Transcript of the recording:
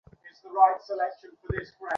তোমার চরণে আমার শতসহস্রকোটি প্রণাম।